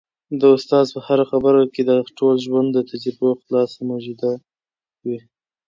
د استاد په هره خبره کي د ټول ژوند د تجربو خلاصه موجوده وي.